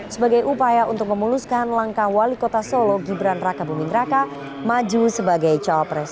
sebagai upaya untuk memuluskan langkah wali kota solo gibran raka bumingraka maju sebagai capres